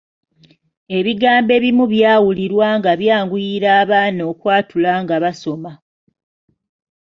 Ebigambo ebimu byawulirwa nga byanguyira abaana okwatula nga basoma.